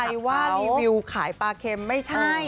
ใครว่ารีวิวขายปลาเค็มไม่ใช่